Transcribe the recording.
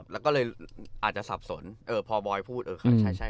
แล้วก็เลยอาจจะสับสนพอบอยพูดเออใช่